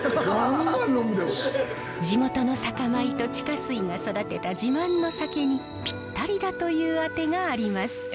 地元の酒米と地下水が育てた自慢の酒にぴったりだというあてがあります。